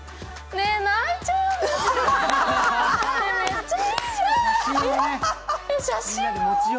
ね、泣いちゃうよ